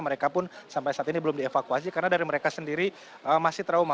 mereka pun sampai saat ini belum dievakuasi karena dari mereka sendiri masih trauma